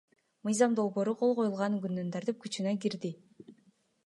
Мыйзам долбоору кол коюлган күндөн тартып күчүнө кирди.